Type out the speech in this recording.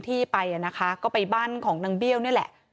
ที่ไปอ่ะนะคะก็ไปบ้านของนางเบี้ยวนี่แหละ